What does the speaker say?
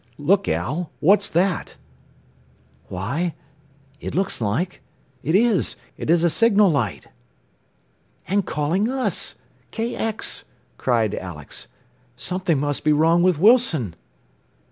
"Look, Al! What's that?" "Why, it looks like It is! It's a signal light! "And calling us KX!" cried Alex. "Something must be wrong with Wilson!"